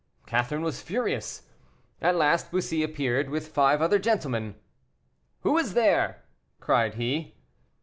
Catherine was furious. At last Bussy appeared, with five other gentlemen. "Who is there?" cried he.